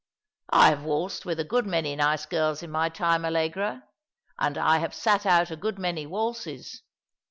I have waltzed with a good many nice girls in my time, Allegra, and I have sat out a good many waltzes.